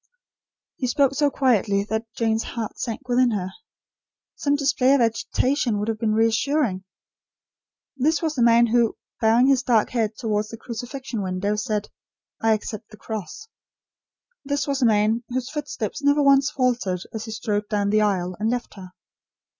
He spoke so quietly that Jane's heart sank within her. Some display of agitation would have been reassuring. This was the man who, bowing his dark head towards the crucifixion window, said: "I accept the cross." This was the man, whose footsteps never once faltered as he strode down the aisle, and left her.